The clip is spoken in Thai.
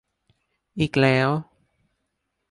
อีกแล้ว -_